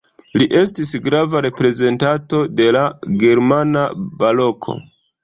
Li estis grava reprezentanto de la germana Baroko.